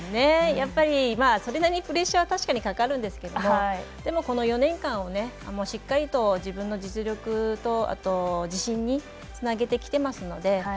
それなりにプレッシャーは確かにかかるんですけどでも、この４年間をしっかりと自分の実力とあと、自信につなげてきてますので。